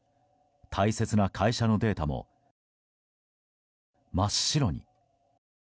大切な会社のデータも真っ白に。